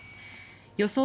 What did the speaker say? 予想